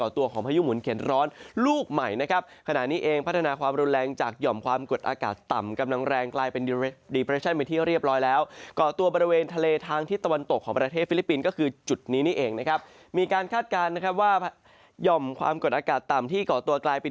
จุดนี้นี่เองนะครับมีการคาดการณ์ว่าย่อมความกดอากาศต่ำที่ก่อตัวกลายเป็น